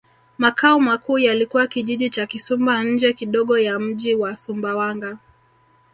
Makao makuu yalikuwa Kijiji cha Kisumba nje kidogo ya mji wa Sumbawanga